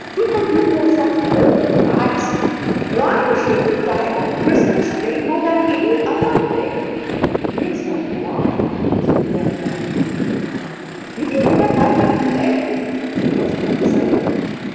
People do tell such awful lies. Why should he die on Christmas day more than any other day?" "Yes, aunt, why?" said the young man meekly. "Did you ever have the toothache?" asked Tant Sannie.